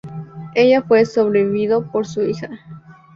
Ella fue sobrevivido por su hija.